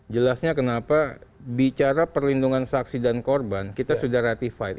jelasnya kenapa bicara perlindungan saksi dan korban kita sudah ratified